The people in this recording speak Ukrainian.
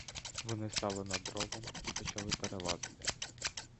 Вони стали над ровом і почали перелазити.